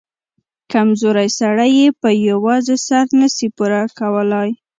کمزورى سړى يې په يوازې سر نه سي پورې کولاى.